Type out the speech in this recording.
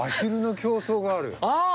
あっ！